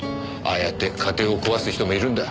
ああやって家庭を壊す人もいるんだ。